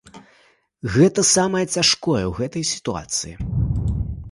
Гэта самае цяжкое ў гэтай сітуацыі.